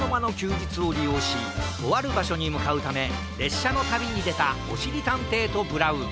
じつをりようしとあるばしょにむかうためれっしゃのたびにでたおしりたんていとブラウン。